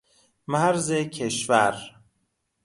مرز کشور